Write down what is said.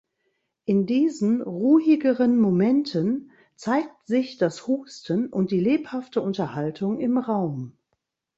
In diesen ruhigeren Momenten zeigt sich das Husten und die lebhafte Unterhaltung im Raum.